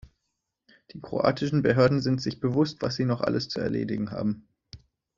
Die kroatischen Behörden sind sich bewusst, was sie noch alles zu erledigen haben.